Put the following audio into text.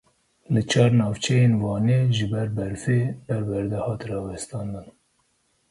Li çar navçeyên Wanê ji ber berfê perwerde hat rawestandin.